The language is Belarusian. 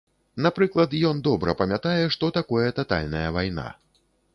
Напрыклад, ён добра памятае, што такое татальная вайна.